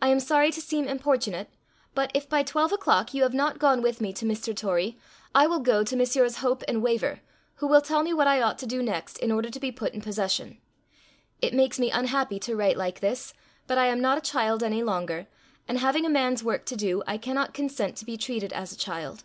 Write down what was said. I am sorry to seem importunate, but if by twelve o'clock you have not gone with me to Mr. Torrie, I will go to Messrs. Hope & Waver, who will tell me what I ought to do next, in order to be put in possession. It makes me unhappy to write like this, but I am not a child any longer, and having a man's work to do, I cannot consent to be treated as a child.